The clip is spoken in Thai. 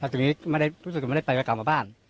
แล้วจริงไม่ได้ที่รู้สิทธิษฐานไม่ได้ฟังก็กลับมาบ้าน